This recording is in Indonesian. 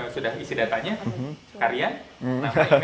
sudah isi data nya sekarang ya